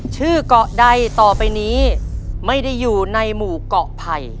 ชื่อเกาะใดต่อไปนี้ไม่ได้อยู่ในหมู่เกาะไผ่